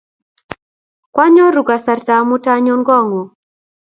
Kwanyoru kasarta amut anyon kong'ung'